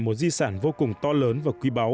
một di sản vô cùng to lớn và quý báu